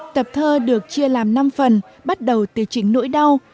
tập thơ được chia làm năm phần bắt đầu từ chính nỗi đau